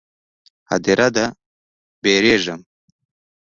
_ هديره ده، وېرېږم.